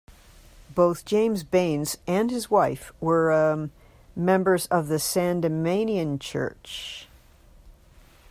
Both James Baynes and his wife were a members of the Sandemanian Church.